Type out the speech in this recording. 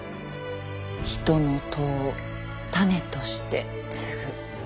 人の痘を種として接ぐ。